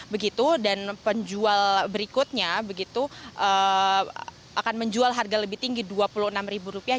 begitu dan penjual berikutnya begitu akan menjual harga lebih tinggi dua puluh enam ribu rupiah